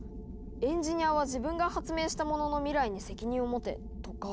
エンジニアは自分が発明したものの未来に責任を持て」とか。